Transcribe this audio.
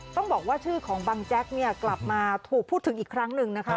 ต้องบอกว่าชื่อของบังแจ๊กเนี่ยกลับมาถูกพูดถึงอีกครั้งหนึ่งนะคะ